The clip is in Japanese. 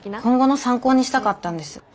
今後の参考にしたかったんです。